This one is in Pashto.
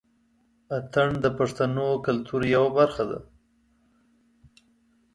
اتڼ د پښتنو کلتور يوه برخه دى.